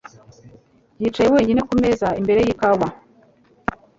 Yicaye wenyine ku meza imbere y’ikawa.